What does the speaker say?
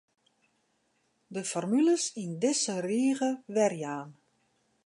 De formules yn dizze rige werjaan.